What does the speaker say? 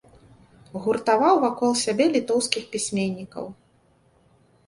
Гуртаваў вакол сябе літоўскіх пісьменнікаў.